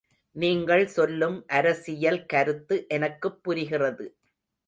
நீங்கள் சொல்லும் அரசியல் கருத்து எனக்குப் புரிகிறது.